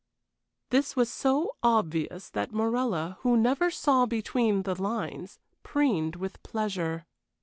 This was so obvious that Morella, who never saw between the lines, preened with pleasure.